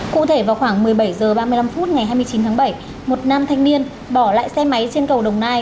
cụ thể vào khoảng một mươi bảy h ba mươi năm phút ngày hai mươi chín tháng bảy một nam thanh niên bỏ lại xe máy trên cầu đồng nai